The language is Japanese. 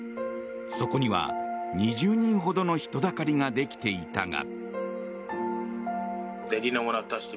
そこには２０人ほどの人だかりができていたが。